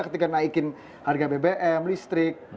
ketika naikin harga bbm listrik